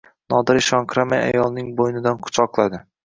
Nodira ishonqiramay ayolning bo`ynidan quchoqladi